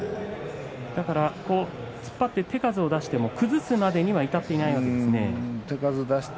突っ張って手数を出しても崩すまでには至っていないですね。